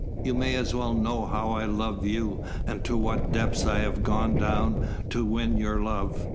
You may as well know how I love you, and to what depths I have gone down to win your love."